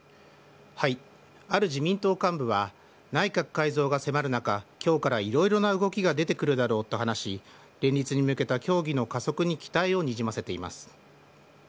ある自民党幹部は、内閣改造が迫る中、きょうからいろいろな動きが出てくるだろうと話し、連立に向けた協議の加速に期待をにじませています。